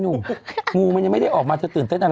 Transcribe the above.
งูมันยังไม่ได้ออกมาเธอตื่นเต้นอะไร